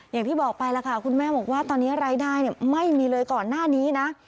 อย่างที่บอกไปแล้วค่ะคุณแม่บอกว่าตอนนี้รายได้ไม่มีเลยก่อนหน้านี้นะ